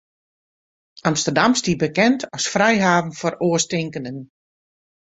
Amsterdam stie bekend as frijhaven foar oarstinkenden.